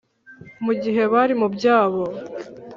mu gihe bari mu byabo,